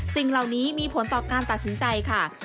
สิ่งเหล่านี้มีผลต่อการตัดสินใจค่ะ